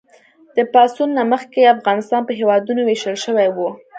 د پاڅون نه مخکې افغانستان په هېوادونو ویشل شوی و.